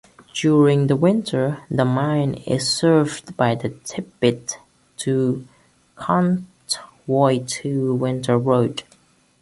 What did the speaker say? During the winter, the mine is served by the Tibbitt to Contwoyto Winter Road.